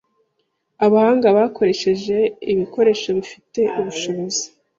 Abahanga bakoresheje ibikoresho bifite ubushobozi